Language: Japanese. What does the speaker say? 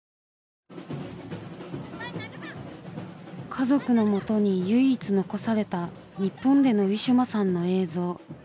家族のもとに唯一残された日本でのウィシュマさんの映像。